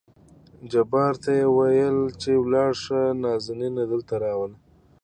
جبار ته يې ووېل چې ولاړ شه نازنين دلته راوله.